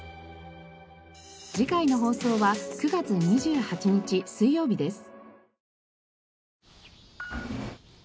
次回の放送は９月２８日水曜日です。